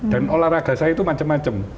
dan olahraga saya itu macem macem